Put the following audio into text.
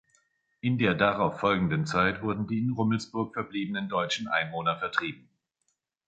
In der darauf folgenden Zeit wurden die in Rummelsburg verbliebenen deutschen Einwohner vertrieben.